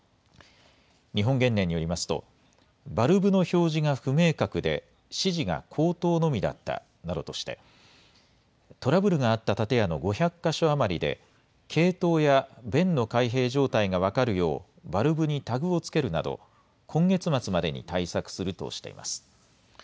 日本原燃によりますとバルブの表示が不明確で指示が口頭のみだったなどとしてトラブルがあった建屋の５００か所余りで系統や弁の開閉状態が分かるようバルブにタグをつけるなど今月末までに対策するとしています。